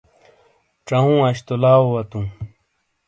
ژاوہوں اش تو لاؤ واتو